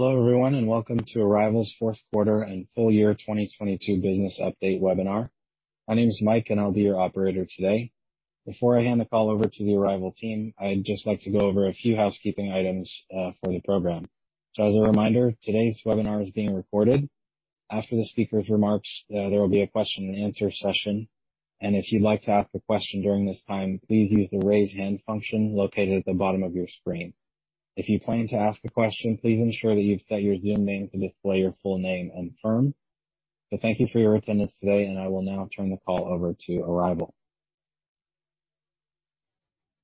Hello, everyone, and welcome to Arrival's fourth quarter and full year 2022 business update webinar. My name is Mike and I'll be your operator today. Before I hand the call over to the Arrival team, I'd just like to go over a few housekeeping items for the program. As a reminder, today's webinar is being recorded. After the speaker's remarks, there will be a question and answer session and if you'd like to ask a question during this time, please use the raise hand function located at the bottom of your screen. If you plan to ask a question, please ensure that you've set your Zoom name to display your full name and firm. Thank you for your attendance today, and I will now turn the call over to Arrival.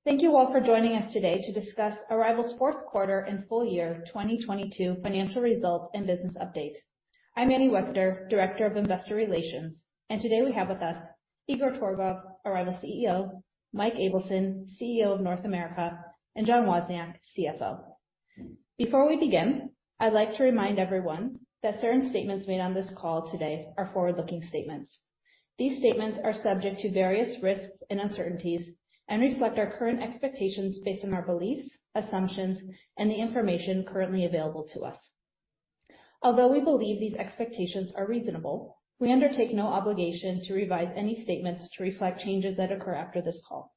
Thank you all for joining us today to discuss Arrival's fourth quarter and full year 2022 financial results and business update. I'm Annie Wechter, Director of Investor Relations, and today we have with us Igor Torgov, Arrival CEO, Mike Ableson, CEO of North America, and John Wozniak, CFO. Before we begin, I'd like to remind everyone that certain statements made on this call today are forward looking statements. These statements are subject to various risks and uncertainties and reflect our current expectations based on our beliefs, assumptions, and the information currently available to us. Although we believe these expectations are reasonable, we undertake no obligation to revise any statements to reflect changes that occur after this call.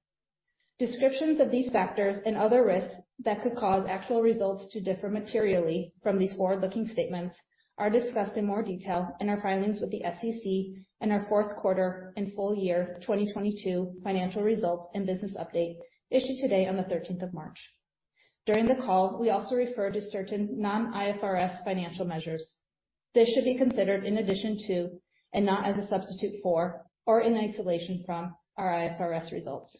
Descriptions of these factors and other risks that could cause actual results to differ materially from these forward looking statements are discussed in more detail in our filings with the SEC and our fourth quarter and full year 2022 financial results and business update issued today on the 13th of March. During the call, we also refer to certain non-IFRS financial measures. This should be considered in addition to and not as a substitute for or in isolation from our IFRS results.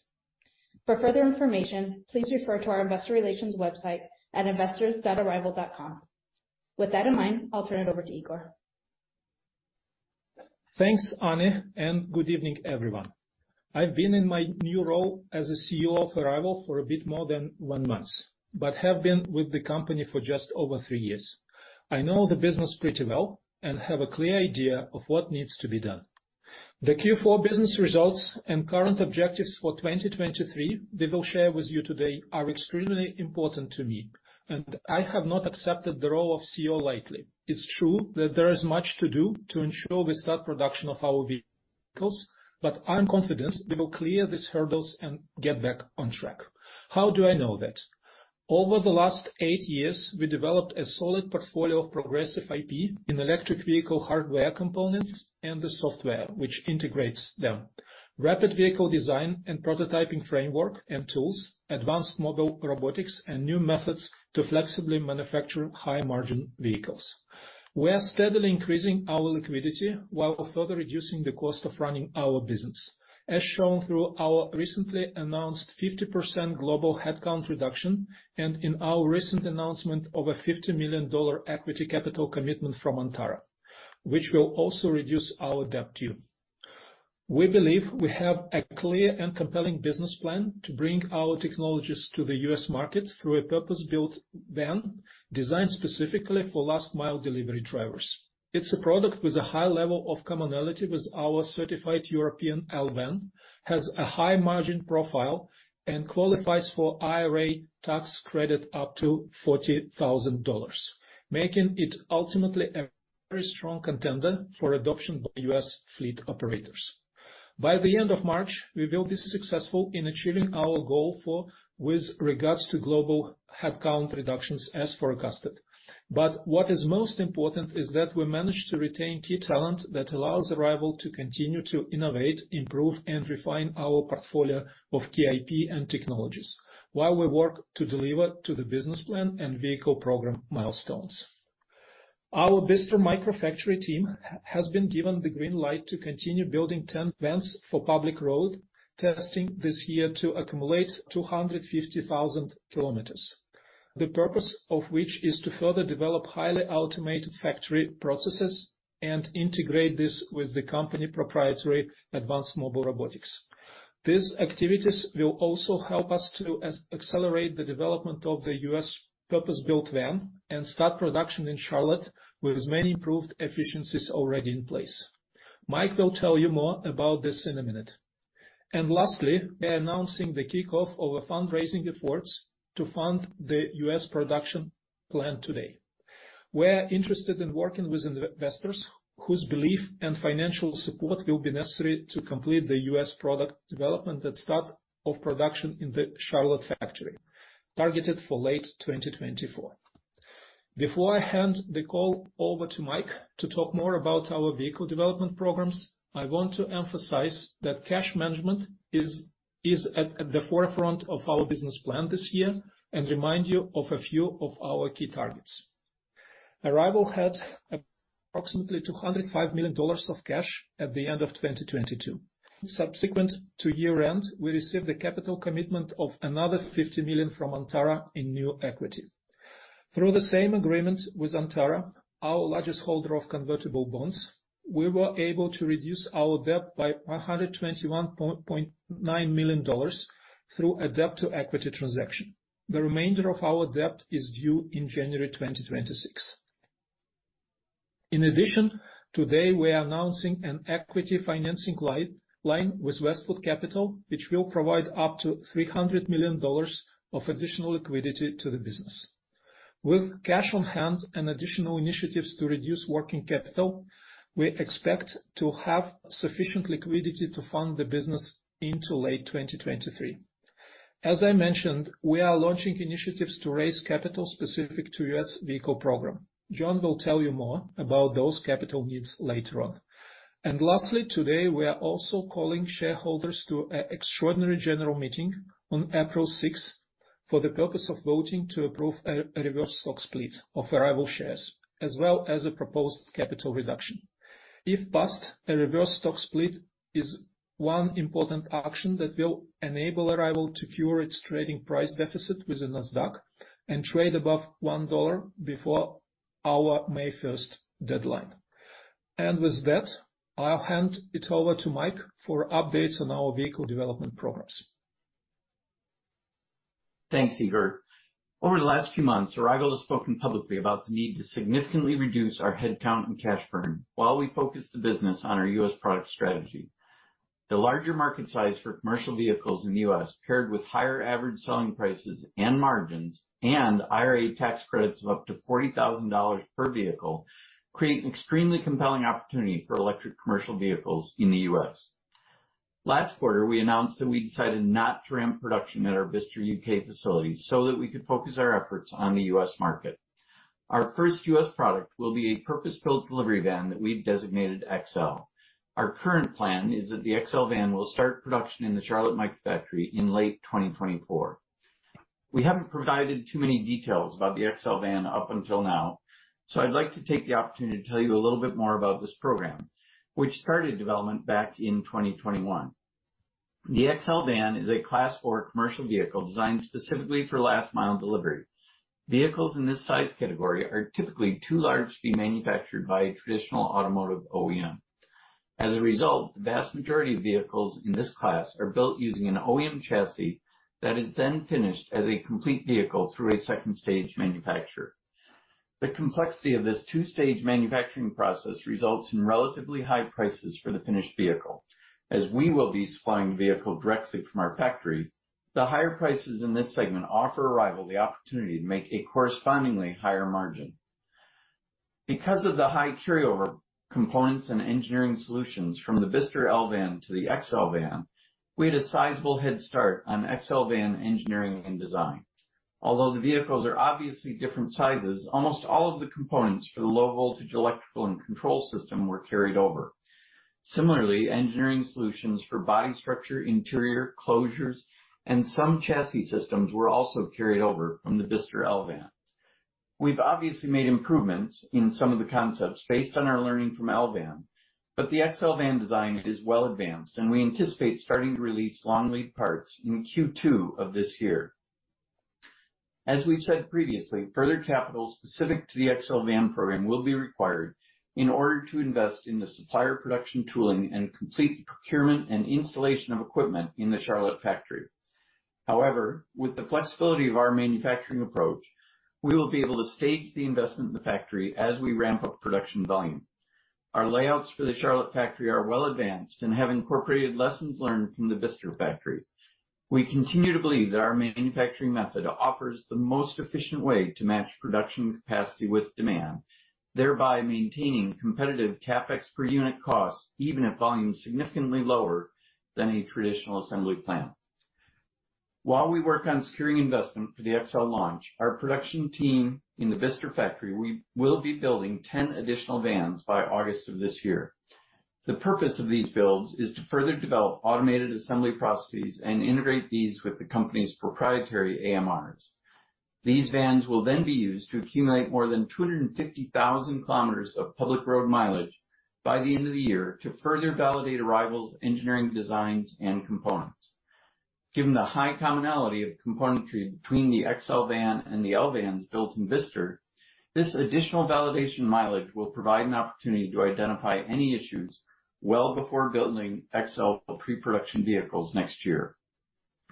For further information, please refer to our investor relations website at investors.arrival.com. With that in mind, I'll turn it over to Igor. Thanks, Annie. Good evening, everyone. I've been in my new role as a CEO of Arrival for a bit more than one month, but have been with the company for just over three years. I know the business pretty well and have a clear idea of what needs to be done. The Q4 business results and current objectives for 2023 we will share with you today are extremely important to me. I have not accepted the role of CEO lightly. It's true that there is much to do to ensure we start production of our vehicles, but I'm confident we will clear these hurdles and get back on track. How do I know that? Over the last eight years, we developed a solid portfolio of progressive IP in electric vehicle hardware components and the software which integrates them. Rapid vehicle design and prototyping framework and tools, advanced mobile robotics and new methods to flexibly manufacture high margin vehicles. We are steadily increasing our liquidity while further reducing the cost of running our business, as shown through our recently announced 50% global headcount reduction and in our recent announcement over $50 million equity capital commitment from Antara, which will also reduce our debt due. We believe we have a clear and compelling business plan to bring our technologies to the U.S., market through a purpose built van designed specifically for last mile delivery drivers. It's a product with a high level of commonality with our certified European L-Van, has a high margin profile and qualifies for IRA tax credit up to $40,000, making it ultimately a very strong contender for adoption by U.S., fleet operators. By the end of March, we will be successful in achieving our goal for with regards to global headcount reductions as forecasted. What is most important is that we manage to retain key talent that allows Arrival to continue to innovate, improve, and refine our portfolio of key IP and technologies while we work to deliver to the business plan and vehicle program milestones. Our Bicester Microfactory team has been given the green light to continue building 10 vans for public road testing this year to accumulate 250,000 kilometers. The purpose of which is to further develop highly automated factory processes and integrate this with the company proprietary advanced mobile robotics. These activities will also help us to accelerate the development of the U.S., purpose built van and start production in Charlotte with many improved efficiencies already in place. Mike will tell you more about this in a minute. Lastly, we're announcing the kickoff of a fundraising efforts to fund the U.S., production plan today. We're interested in working with investors whose belief and financial support will be necessary to complete the U.S., product development and start of production in the Charlotte factory targeted for late 2024. Before I hand the call over to Mike to talk more about our vehicle development programs, I want to emphasize that cash management is at the forefront of our business plan this year and remind you of a few of our key targets. Arrival had approximately $205 million of cash at the end of 2022. Subsequent to year-end, we received a capital commitment of another $50 million from Antara in new equity. Through the same agreement with Antara, our largest holder of convertible bonds, we were able to reduce our debt by $121.9 million through a debt to equity transaction. The remainder of our debt is due in January 2026. In addition, today we are announcing an equity financing line with Westwood Capital, which will provide up to $300 million of additional liquidity to the business. With cash on hand and additional initiatives to reduce working capital we expect to have sufficient liquidity to fund the business into late 2023. As I mentioned, we are launching initiatives to raise capital specific to U.S., vehicle program. John will tell you more about those capital needs later on. Lastly, today, we are also calling shareholders to a extraordinary general meeting on April 6th, for the purpose of voting to approve a reverse stock split of Arrival shares, as well as a proposed capital reduction. If passed, a reverse stock split is one important action that will enable Arrival to cure its trading price deficit with the Nasdaq and trade above $1 before our May 1st deadline. With that, I'll hand it over to Mike for updates on our vehicle development progress. Thanks, Igor. Over the last few months, Arrival has spoken publicly about the need to significantly reduce our headcount and cash burn while we focus the business on our U.S., product strategy. The larger market size for commercial vehicles in the U.S., paired with higher average selling prices and margins and IRA tax credits of up to $40,000 per vehicle, create an extremely compelling opportunity for electric commercial vehicles in the U.S. Last quarter, we announced that we decided not to ramp production at our Bicester, U.K. facility so that we could focus our efforts on the U.S., market. Our first U.S., product will be a purpose built delivery van that we've designated XL. Our current plan is that the XL-Van will start production in the Charlotte microfactory in late 2024. We haven't provided too many details about the XL-Van up until now, so I'd like to take the opportunity to tell you a little bit more about this program, which started development back in 2021. The XL-Van is a Class 4 commercial vehicle designed specifically for last mile delivery. Vehicles in this size category are typically too large to be manufactured by a traditional automotive OEM. As a result, the vast majority of vehicles in this class are built using an OEM chassis that is then finished as a complete vehicle through a second stage manufacturer. The complexity of this two stage manufacturing process results in relatively high prices for the finished vehicle. As we will be supplying the vehicle directly from our factories, the higher prices in this segment offer Arrival the opportunity to make a correspondingly higher margin. Because of the high carryover components and engineering solutions from the Bicester L-Van to the XL-Van, we had a sizable head start on XL-Van engineering and design. Although the vehicles are obviously different sizes, almost all of the components for the low-voltage electrical and control system were carried over. Similarly, engineering solutions for body structure, interior closures, and some chassis systems were also carried over from the Bicester L-Van. We've obviously made improvements in some of the concepts based on our learning from L-Van, but the XL-Van design is well advanced, and we anticipate starting to release long-lead parts in Q2 of this year. As we've said previously, further capital specific to the XL-Van program will be required in order to invest in the supplier production tooling and complete the procurement and installation of equipment in the Charlotte factory. However, with the flexibility of our manufacturing approach, we will be able to stage the investment in the factory as we ramp up production volume. Our layouts for the Charlotte factory are well advanced and have incorporated lessons learned from the Bicester factory. We continue to believe that our manufacturing method offers the most efficient way to match production capacity with demand, thereby maintaining competitive CapEx per unit cost, even at volumes significantly lower than a traditional assembly plant. While we work on securing investment for the XL launch, our production team in the Bicester factory will be building 10 additional vans by August of this year. The purpose of these builds is to further develop automated assembly processes and integrate these with the company's proprietary AMRs. These vans will then be used to accumulate more than 250,000 kilometers of public road mileage by the end of the year to further validate Arrival's engineering designs and components. Given the high commonality of componentry between the XL-Van and the L-Van built in Bicester, this additional validation mileage will provide an opportunity to identify any issues well before building XL pre-production vehicles next year.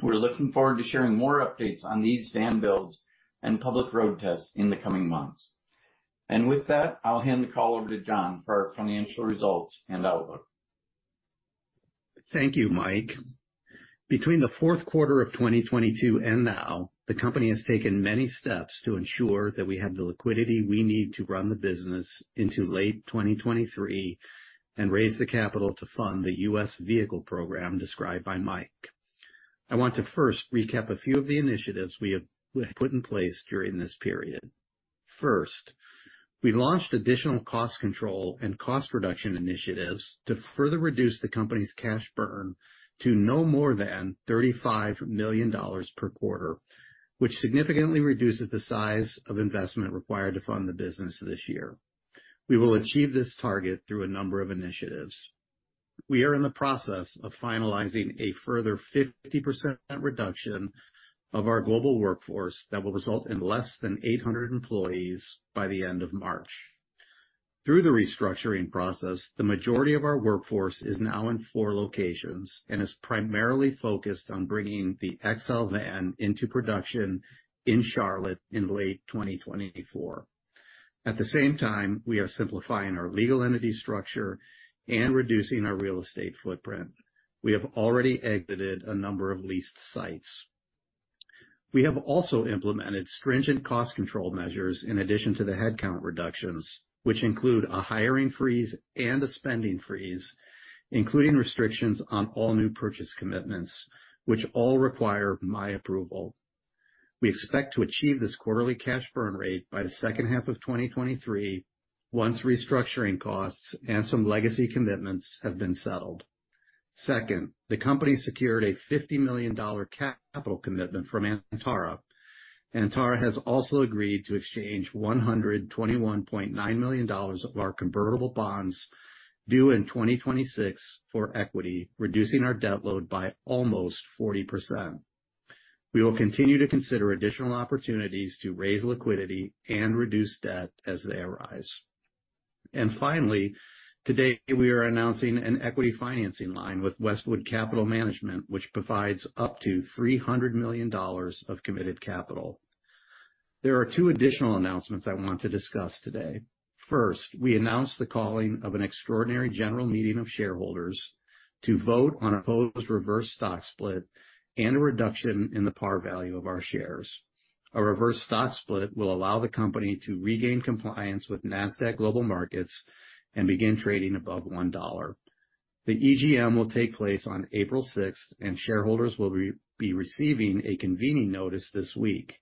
We're looking forward to sharing more updates on these van builds and public road tests in the coming months. With that, I'll hand the call over to John for our financial results and outlook. Thank you, Mike. Between the fourth quarter of 2022 and now, the company has taken many steps to ensure that we have the liquidity we need to run the business into late 2023 and raise the capital to fund the U.S., vehicle program described by Mike. I want to first recap a few of the initiatives we have put in place during this period. First, we launched additional cost control and cost reduction initiatives to further reduce the company's cash burn to no more than $35 million per quarter, which significantly reduces the size of investment required to fund the business this year. We will achieve this target through a number of initiatives. We are in the process of finalizing a further 50% reduction of our global workforce that will result in less than 800 employees by the end of March. Through the restructuring process, the majority of our workforce is now in four locations and is primarily focused on bringing the XL-Van into production in Charlotte in late 2024. At the same time, we are simplifying our legal entity structure and reducing our real estate footprint. We have already exited a number of leased sites. We have also implemented stringent cost control measures in addition to the headcount reductions, which include a hiring freeze and a spending freeze, including restrictions on all new purchase commitments, which all require my approval. We expect to achieve this quarterly cash burn rate by the second half of 2023, once restructuring costs and some legacy commitments have been settled. Second, the company secured a $50 million capital commitment from Antara. Antara has also agreed to exchange $121.9 million of our convertible bonds due in 2026 for equity, reducing our debt load by almost 40%. We will continue to consider additional opportunities to raise liquidity and reduce debt as they arise. Finally, today we are announcing an equity financing line with Westwood Capital Management, which provides up to $300 million of committed capital. There are two additional announcements I want to discuss today. First, we announced the calling of an extraordinary general meeting of shareholders to vote on a proposed reverse stock split and a reduction in the par value of our shares. A reverse stock split will allow the company to regain compliance with Nasdaq Global Market and begin trading above $1. The EGM will take place on April 6th. Shareholders will be receiving a convening notice this week.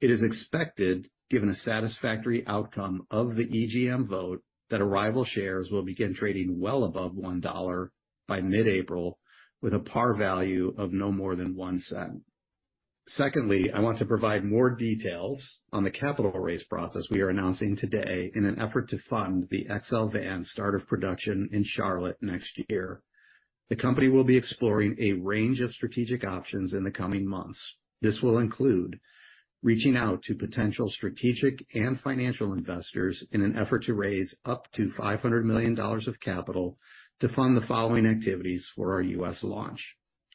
It is expected, given a satisfactory outcome of the EGM vote, that Arrival shares will begin trading well above $1 by mid-April with a par value of no more than $0.01. I want to provide more details on the capital raise process we are announcing today in an effort to fund the XL-Van start of production in Charlotte next year. The company will be exploring a range of strategic options in the coming months. This will include reaching out to potential strategic and financial investors in an effort to raise up to $500 million of capital to fund the following activities for our U.S., launch: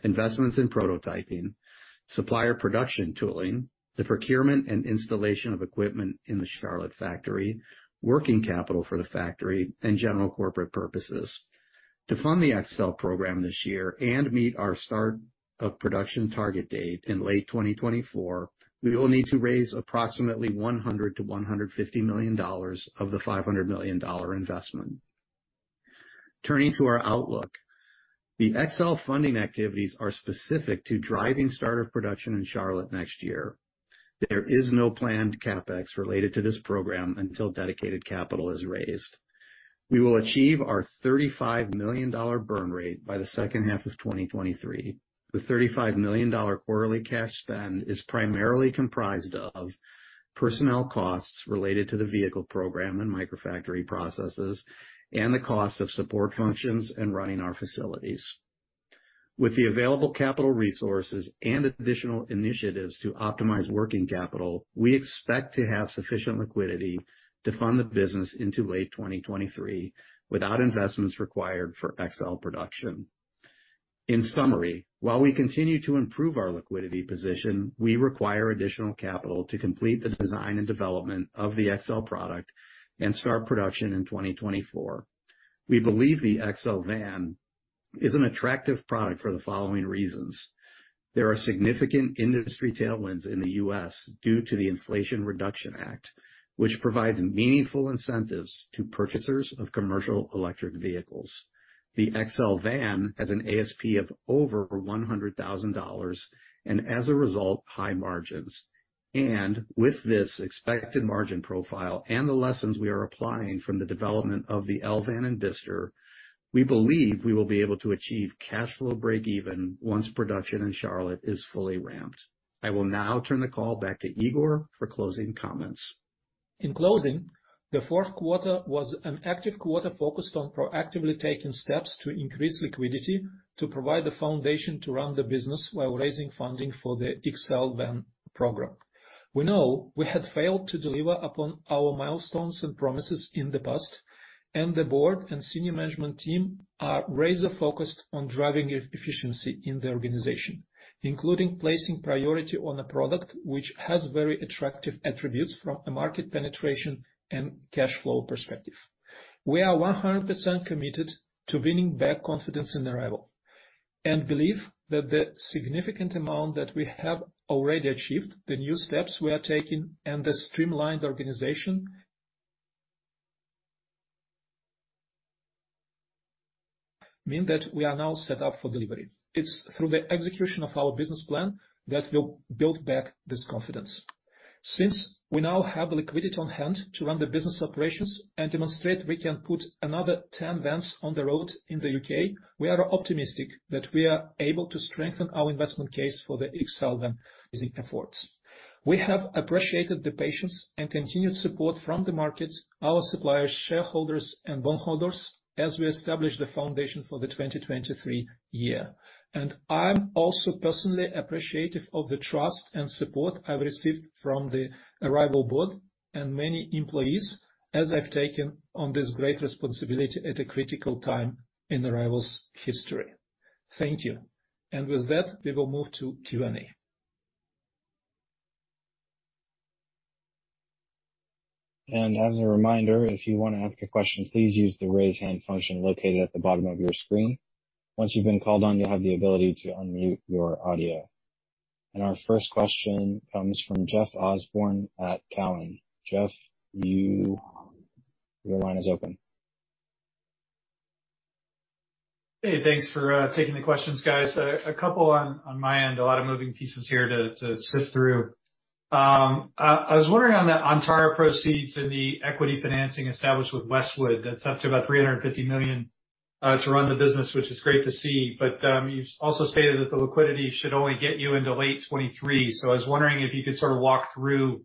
investments in prototyping, supplier production tooling, the procurement and installation of equipment in the Charlotte factory, working capital for the factory and general corporate purposes. To fund the XL program this year and meet our start of production target date in late 2024, we will need to raise approximately $100 million-$150 million of the $500 million investment. Turning to our outlook, the XL funding activities are specific to driving start of production in Charlotte next year. There is no planned CapEx related to this program until dedicated capital is raised. We will achieve our $35 million burn rate by the second half of 2023. The $35 million quarterly cash spend is primarily comprised of personnel costs related to the vehicle program and microfactory processes and the cost of support functions and running our facilities. With the available capital resources and additional initiatives to optimize working capital, we expect to have sufficient liquidity to fund the business into late 2023 without investments required for XL production. In summary, while we continue to improve our liquidity position, we require additional capital to complete the design and development of the XL product and start production in 2024. We believe the XL-Van is an attractive product for the following reasons. There are significant industry tailwinds in the U.S., due to the Inflation Reduction Act, which provides meaningful incentives to purchasers of commercial electric vehicles. The XL-Van has an ASP of over $100,000 and as a result high margins. With this expected margin profile and the lessons we are applying from the development of the L-Van and Bicester, we believe we will be able to achieve cash flow break even once production in Charlotte is fully ramped. I will now turn the call back to Igor for closing comments. In closing, the fourth quarter was an active quarter focused on proactively taking steps to increase liquidity to provide the foundation to run the business while raising funding for the XL-Van program. We know we had failed to deliver upon our milestones and promises in the past. The board and senior management team are razor focused on driving efficiency in the organization, including placing priority on a product which has very attractive attributes from a market penetration and cash flow perspective. We are 100% committed to winning back confidence in Arrival and believe that the significant amount that we have already achieved, the new steps we are taking, and the streamlined organization mean that we are now set up for delivery. It's through the execution of our business plan that will build back this confidence. Since we now have the liquidity on hand to run the business operations and demonstrate we can put another 10 vans on the road in the U.K., we are optimistic that we are able to strengthen our investment case for the XL-Van raising efforts. We have appreciated the patience and continued support from the markets, our suppliers, shareholders and bondholders as we establish the foundation for the 2023 year. I'm also personally appreciative of the trust and support I've received from the Arrival board and many employees as I've taken on this great responsibility at a critical time in Arrival's history. Thank you. With that, we will move to Q&A. As a reminder, if you wanna ask a question, please use the raise hand function located at the bottom of your screen. Once you've been called on, you'll have the ability to unmute your audio. Our first question comes from Jeff Osborne at Cowen. Jeff, your line is open. Hey, thanks for taking the questions, guys. A couple on my end a lot of moving pieces here to sift through. I was wondering on the Antara proceeds and the equity financing established with Westwood, that's up to about $350 million to run the business, which is great to see. You also stated that the liquidity should only get you into late 2023. I was wondering if you could sort of walk through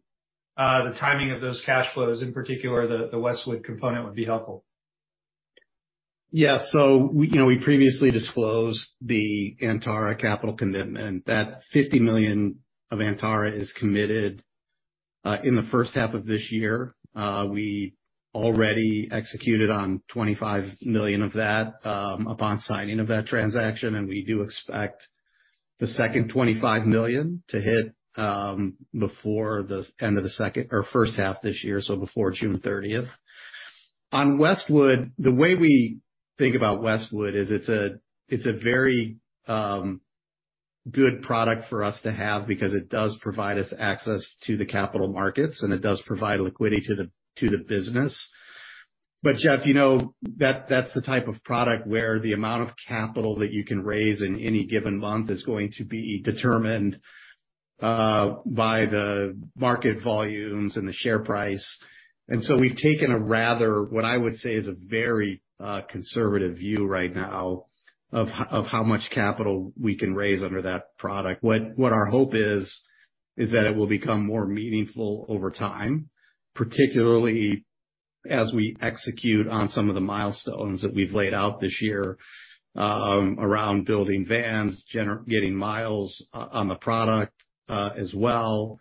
the timing of those cash flows, in particular the Westwood component would be helpful. We, you know, we previously disclosed the Antara Capital commitment. That $50 million of Antara is committed in the first half of this year. We already executed on $25 million of that upon signing of that transaction, and we do expect the second $25 million to hit before the end of the second or first half this year, so before June 30th. Westwood, the way we think about Westwood is it's a, it's a very good product for us to have because it does provide us access to the capital markets, and it does provide liquidity to the business. Jeff, you know, that's the type of product where the amount of capital that you can raise in any given month is going to be determined by the market volumes and the share price. We've taken a rather, what I would say, is a very conservative view right now of how much capital we can raise under that product. What, what our hope is that it will become more meaningful over time, particularly as we execute on some of the milestones that we've laid out this year, around building vans, getting miles on the product as well.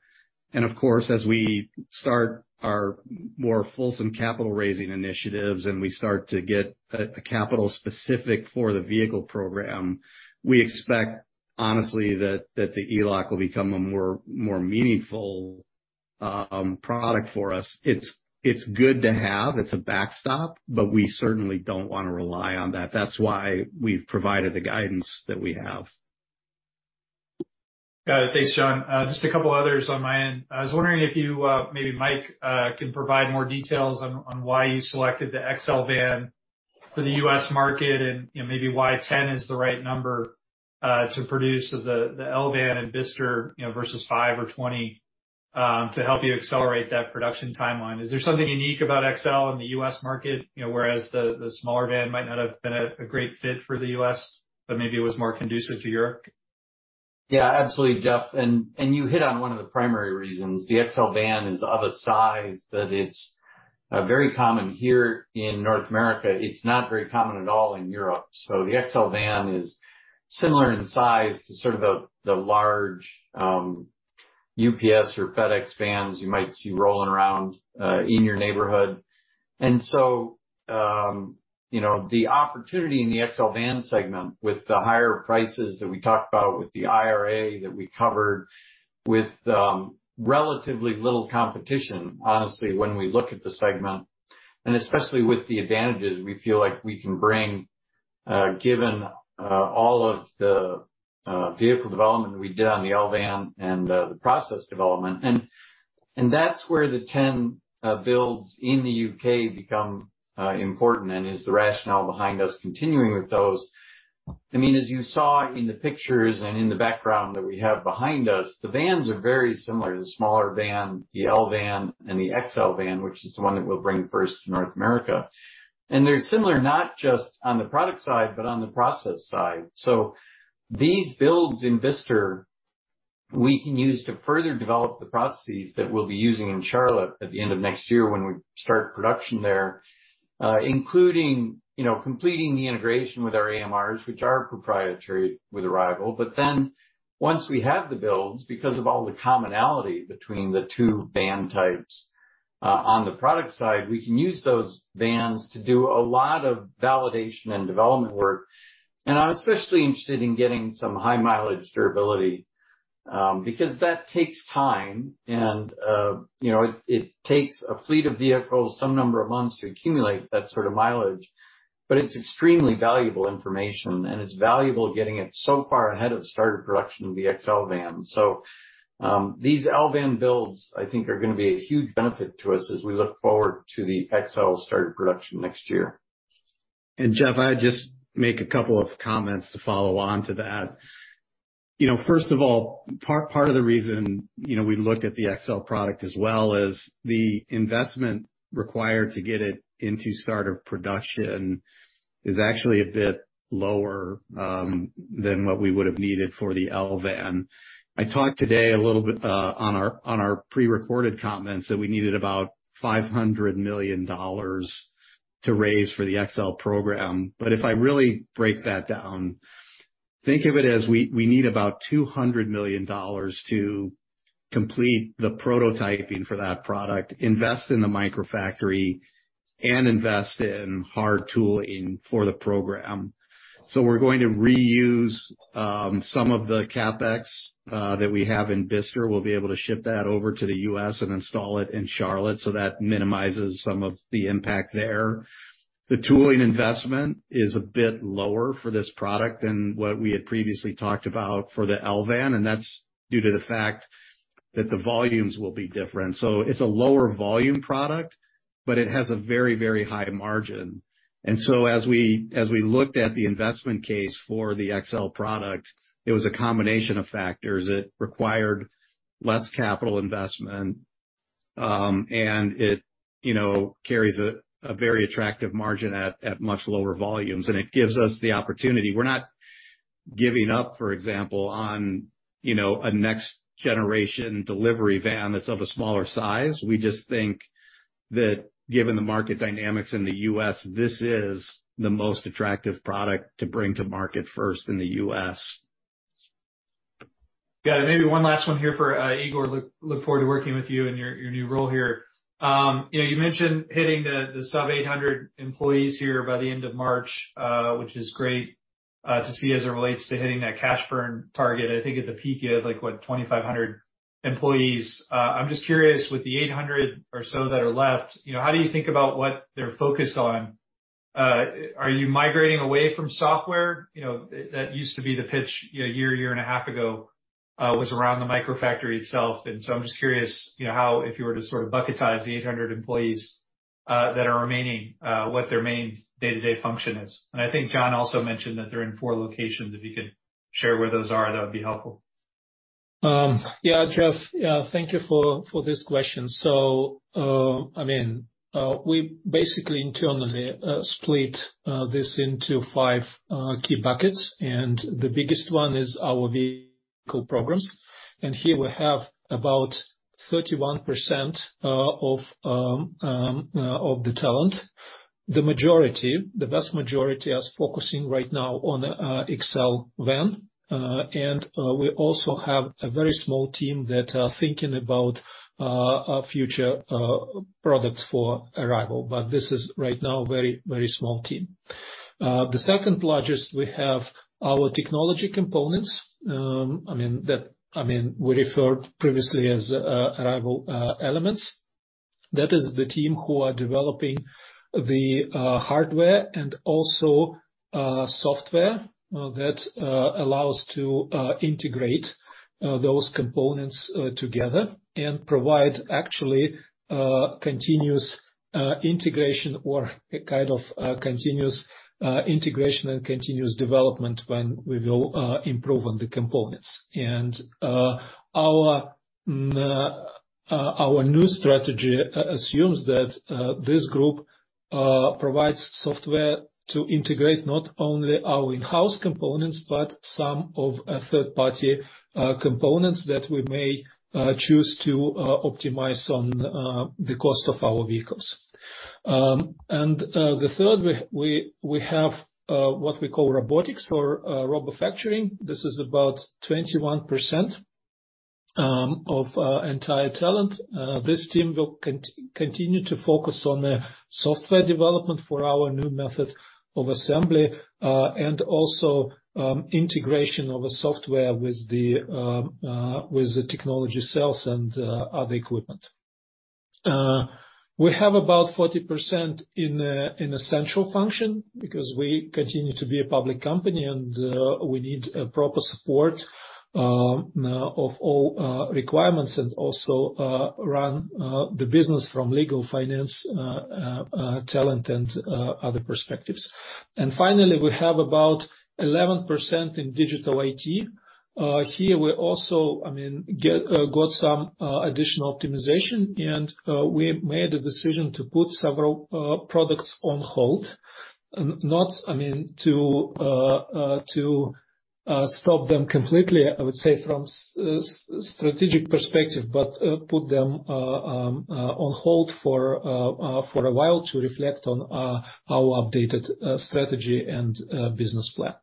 Of course, as we start our more fulsome capital raising initiatives and we start to get a capital specific for the vehicle program, we expect, honestly, that the ELOC will become a more meaningful product for us. It's good to have, it's a backstop, but we certainly don't wanna rely on that. That's why we've provided the guidance that we have. Got it. Thanks, John. Just a couple others on my end. I was wondering if you, maybe Mike, can provide more details on why you selected the XL-Van for the U.S., market and, you know, maybe why 10 is the right number to produce the Arrival Van in Bicester, you know, versus five or 20 to help you accelerate that production timeline. Is there something unique about XL in the U.S., market? You know, whereas the smaller van might not have been a great fit for the U.S., but maybe it was more conducive to Europe. Yeah, absolutely, Jeff. You hit on one of the primary reasons. The XL-Van is of a size that it's very common here in North America. It's not very common at all in Europe. The XL-Van is similar in size to sort of the large UPS or FedEx vans you might see rolling around in your neighborhood. You know, the opportunity in the XL-Van segment with the higher prices that we talked about, with the IRA that we covered, with relatively little competition, honestly, when we look at the segment, and especially with the advantages we feel like we can bring, given all of the vehicle development we did on the Arrival Van and the process development. That's where the 10 builds in the U.K., become important and is the rationale behind us continuing with those. I mean, as you saw in the pictures and in the background that we have behind us, the vans are very similar. The smaller van, the L-Van, and the XL-Van, which is the one that we'll bring first to North America. They're similar not just on the product side, but on the process side. These builds in Bicester we can use to further develop the processes that we'll be using in Charlotte at the end of next year when we start production there, including, you know, completing the integration with our AMRs, which are proprietary with Arrival. Once we have the builds, because of all the commonality between the two van types, on the product side, we can use those vans to do a lot of validation and development work. I'm especially interested in getting some high mileage durability, because that takes time and, you know, it takes a fleet of vehicles some number of months to accumulate that sort of mileage. It's extremely valuable information, and it's valuable getting it so far ahead of start of production of the XL-Van. These L-Van builds I think are gonna be a huge benefit to us as we look forward to the XL start of production next year. Jeff, I'd just make a couple of comments to follow on to that. You know, first of all, part of the reason, you know, we looked at the XL product as well is the investment required to get it into start of production is actually a bit lower than what we would have needed for the L-Van. I talked today a little bit on our pre-recorded comments that we needed about $500 million to raise for the XL program. If I really break that down, think of it as we need about $200 million to complete the prototyping for that product, invest in the microfactory, and invest in hard tooling for the program. We're going to reuse some of the CapEx that we have in Bicester. We'll be able to ship that over to the U.S., and install it in Charlotte, so that minimizes some of the impact there. The tooling investment is a bit lower for this product than what we had previously talked about for the L-Van, and that's due to the fact that the volumes will be different. It's a lower volume product, but it has a very, very high margin. As we looked at the investment case for the XL product, it was a combination of factors. It required less capital investment, and it, you know, carries a very attractive margin at much lower volumes. It gives us the opportunity. We're not giving up, for example, on, you know, a next generation delivery van that's of a smaller size. We just think that given the market dynamics in the U.S., this is the most attractive product to bring to market first in the U.S. Got it. Maybe one last one here for Igor. Look forward to working with you in your new role here. You know, you mentioned hitting the sub 800 employees here by the end of March, which is great to see as it relates to hitting that cash burn target. I think at the peak you had, like what, 2,500 employees. I'm just curious, with the 800 or so that are left, you know, how do you think about what they're focused on? Are you migrating away from software? You know, that used to be the pitch, you know, a year and a half ago, was around the microfactory itself. I'm just curious, you know, how if you were to sort of bucketize the 800 employees that are remaining, what their main day to day function is. I think John also mentioned that they're in four locations. If you could share where those are, that would be helpful. Yeah, Jeff, thank you for this question. I mean, we basically internally split this into five key buckets, and the biggest one is our vehicle programs. Here we have about 31% of the talent. The majority, the vast majority is focusing right now on XL-Van. We also have a very small team that are thinking about future products for Arrival. This is right now, very, very small team. The second largest, we have our technology components. I mean, that, I mean, we referred previously as Arrival Elements. That is the team who are developing the hardware and also software that allows to integrate those components together and provide actually continuous integration or a kind of continuous integration and continuous development when we will improve on the components. Our new strategy assumes that this group provides software to integrate not only our in-house components, but some of a third party components that we may choose to optimize on the cost of our vehicles. The third we have what we call robotics or robofacturing. This is about 21% of our entire talent. this team will continue to focus on the software development for our new method of assembly, and also, integration of a software with the technology cells and other equipment. We have about 40% in a central function because we continue to be a public company, and we need a proper support of all requirements and also run the business from legal, finance, talent and other perspectives. Finally, we have about 11% in digital IT. Here we also, I mean, got some additional optimization, and we made a decision to put several products on hold. Not I mean, to stop them completely, I would say, from strategic perspective, but put them on hold for a while to reflect on our updated strategy and business plan.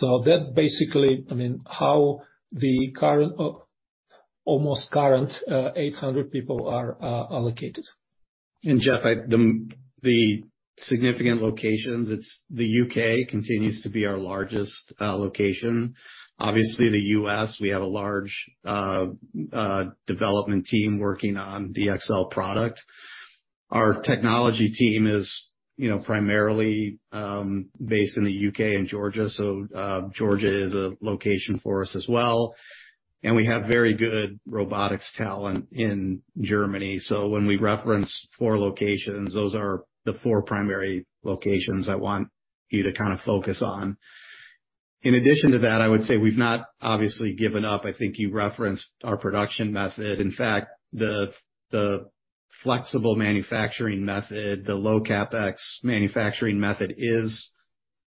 That basically, I mean, how the current almost current 800 people are allocated. Jeff, the significant locations, it's the U.K., continues to be our largest location. Obviously, the U.S., we have a large development team working on the XL product. Our technology team is, you know, primarily based in the U.K., and Georgia. Georgia is a location for us as well. We have very good robotics talent in Germany. When we reference four locations, those are the four primary locations I want you to kind of focus on. In addition to that, I would say we've not obviously given up. I think you referenced our production method. In fact, the flexible manufacturing method, the low CapEx manufacturing method is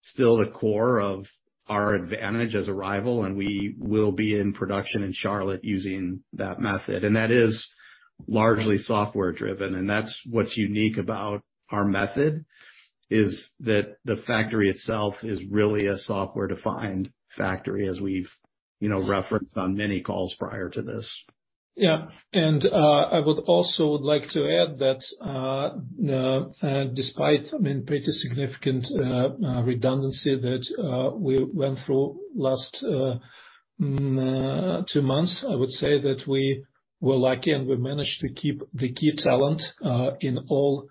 still the core of our advantage as Arrival, and we will be in production in Charlotte using that method. That is largely software driven, and that's what's unique about our method, is that the factory itself is really a software defined factory, as we've, you know, referenced on many calls prior to this. Yeah. I would also would like to add that, despite, I mean, pretty significant, redundancy that, we went through last, two months, I would say that we were lucky, and we managed to keep the key talent, in all, areas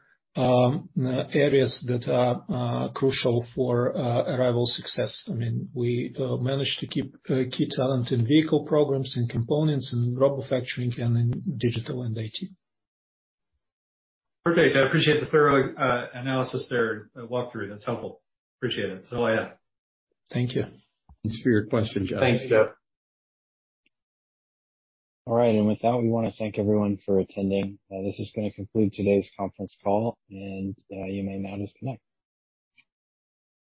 that are, crucial for, Arrival success. I mean, we, managed to keep, key talent in vehicle programs and components and robofacturing and in digital and IT. Perfect. I appreciate the thorough analysis there and walkthrough. That's helpful. Appreciate it. That's all I had. Thank you. Thanks for your question, Jeff. Thanks, Jeff. All right. With that, we wanna thank everyone for attending. This is gonna conclude today's conference call, and you may now disconnect.